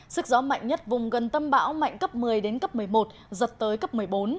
sức gió mạnh nhất vùng gần tâm bão mạnh cấp một mươi đến cấp một mươi một giật tới cấp một mươi bốn